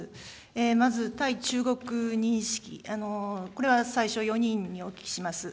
まず、対中国認識、これは最初、４人にお聞きします。